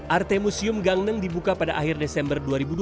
arte museum gangneng dibuka pada akhir desember dua ribu dua puluh